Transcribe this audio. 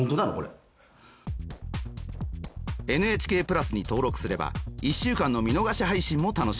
ＮＨＫプラスに登録すれば１週間の見逃し配信も楽しめます。